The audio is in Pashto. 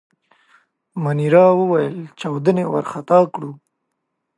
مانیرا وویل: چاودنې وارخطا کړو.